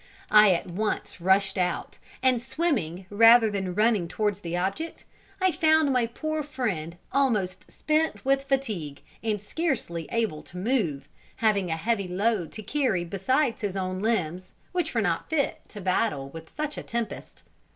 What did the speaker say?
I at once rushed out, and swimming rather than running towards the object, I found my poor friend almost spent with fatigue, and scarcely able to move, having a heavy load to carry besides his own old limbs, which were not fit to battle with such a tempest.